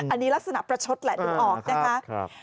อันนี้ลักษณะประชดแหละดูออกนะคะ